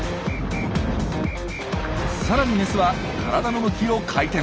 さらにメスは体の向きを回転。